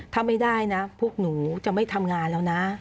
ถ้าไม่ได้นะพวกหนูจะไม่ทำงานแล้วนะ